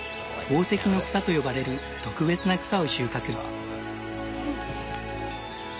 「宝石の草」と呼ばれる特別な草を収穫。